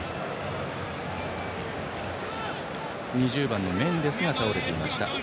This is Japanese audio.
２０番のメンデスが倒れていました。